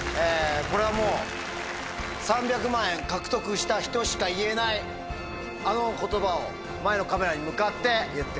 これはもう３００万円獲得した人しか言えないあの言葉を前のカメラに向かって言ってください。